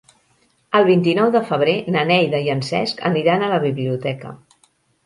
El vint-i-nou de febrer na Neida i en Cesc aniran a la biblioteca.